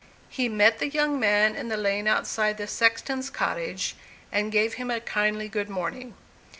He met the young man in the lane outside the sexton's cottage, and gave him a kindly good morning.